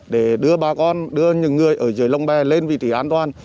để đưa bà con đưa những người ở dưới lồng bè lên vị trí an toàn